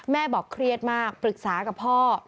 บอกเครียดมากปรึกษากับพ่อ